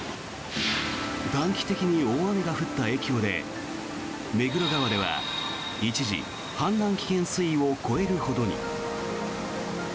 短期的に大雨が降った影響で目黒川では一時、氾濫危険水位を超えるほどに。